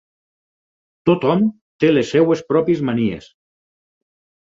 Tothom té les seves pròpies manies.